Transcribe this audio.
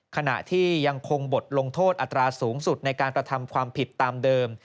ขณะที่ยังคงบทลงโทษอัตราสูงสุดในการกระทำความผิดตามเดิม